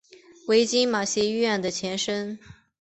为今马偕医院的前身。